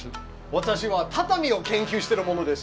私は畳を研究してる者です。